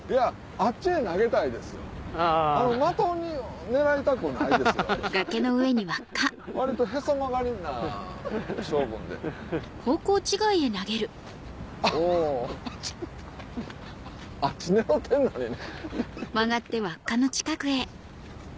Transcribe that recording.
あっち狙ってんのにね。